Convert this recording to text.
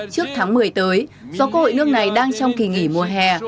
trước tháng một mươi tới do cơ hội nước này đang trong kỳ nghỉ mùa hè